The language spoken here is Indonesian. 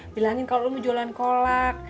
bilangin kalau lo mau jualan kolak